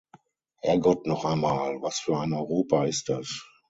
Herrgott noch einmal, was für ein Europa ist das?!